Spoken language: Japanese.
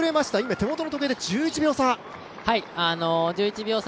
手元の時計で１１秒差。